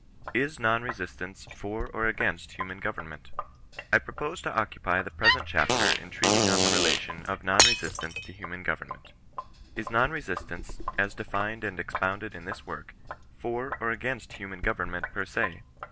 IS NON BESISTANCE FOB OB AGAINST HUMAN GOYEBN HENT? I PROPOSE to occupy the present chapter in treating on the relation of non resistance to human goyemment. Is non resistance, as defined and expounded in this work, for or against human government ^er se